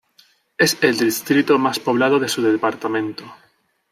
Es el distrito más poblado de su departamento.